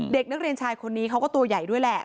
เด็กนักเรียนชายคนนี้เขาก็ตัวใหญ่ด้วยแหละ